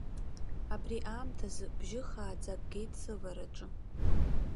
Абри аамҭазы бжьы хааӡак геит сывараҿы.